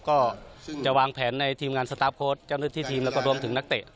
ก็จะวางแผนในทีมงานสตาร์ฟโค้ดเจ้าหน้าที่ทีมแล้วก็รวมถึงนักเตะ